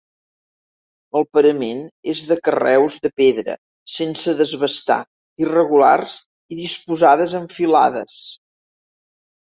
El parament és de carreus de pedra sense desbastar, irregulars i disposades en filades.